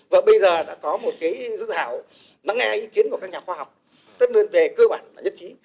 và bây giờ đã có một cái dự hảo nắng nghe ý kiến của các nhà khoa học tất đơn về cơ bản và nhất trí